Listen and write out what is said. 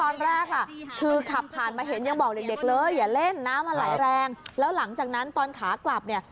น้ำมาไหลแรงแล้วหลังจากนั้นตอนขากลับเนี่ย